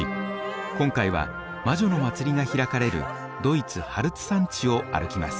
今回は魔女の祭りが開かれるドイツ・ハルツ山地を歩きます。